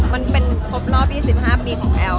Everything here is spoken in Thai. มันเป็นขบนอก๒๕ปีของเอล